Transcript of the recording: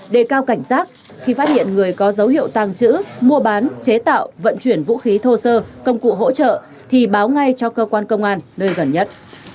đề cao cảnh giác khi phát hiện người có dấu hiệu tàng trữ mua bán chế tạo vận chuyển vũ khí thô sơ công cụ hỗ trợ thì báo ngay cho cơ quan công an nơi gần nhất